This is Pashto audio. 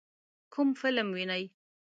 کوم فلم وینئ؟